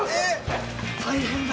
大変だ。